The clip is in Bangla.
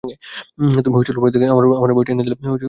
তুমি হোটেল রুম থেকে আমার বইটা নিয়ে এনে দিলে খুব উপকার হবে।